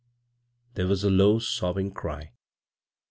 There was a low, sobbing cry.